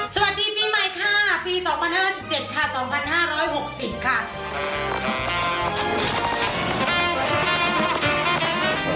สวัสดีปีใหม่ค่ะปี๒๐๕๗ค่ะ๒๕๖๐ค่ะ